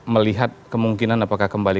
melihat kemungkinan apakah kembali